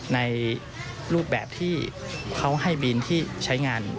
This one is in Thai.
ในรูปแบบที่เขาให้บินที่ใช้งาน